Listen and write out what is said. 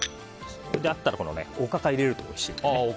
そして、あったらおかかを入れるとおいしいです。